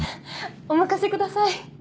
お任せください。